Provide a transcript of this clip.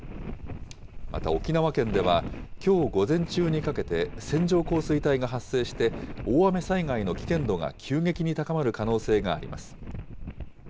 また沖縄県ではきょう午前中にかけて線状降水帯が発生して、大雨災害の危険度が急激に高まる可能性があります。